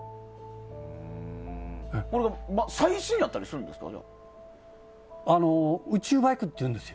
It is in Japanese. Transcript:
最新やったりするんですか？